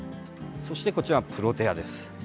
そして、こちらプロテアです。